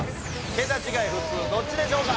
ケタ違い普通どっちでしょうか？